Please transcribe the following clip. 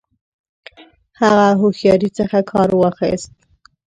هغه هوښیاري څخه کار واخیست.